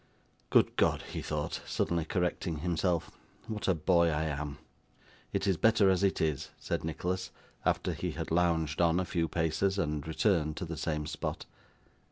'Good God!' he thought, suddenly correcting himself, 'what a boy I am!' 'It is better as it is,' said Nicholas, after he had lounged on, a few paces, and returned to the same spot.